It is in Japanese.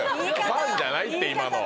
ファンじゃないって今の！